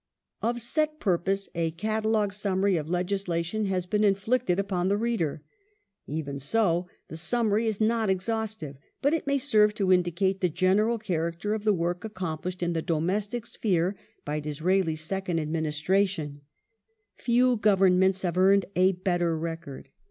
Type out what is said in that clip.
General Of set purpose, a catalogue summary of legislation has been character jnflicted upon the reader. Even so the summary is not exhaustive, of domes .^,/.» tic legis but it may serve to indicate the general character or the work ac lation of complished in the domestic sphere by Disraeli's second Adminis Govern tration. Few Governments have earned a better record.